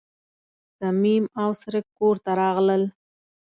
صمیم او څرک کور ته راغلل.